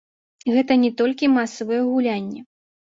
Гэта не толькі масавыя гулянні.